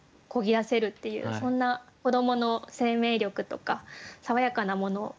だせるっていうそんな子どもの生命力とか爽やかなものを感じました。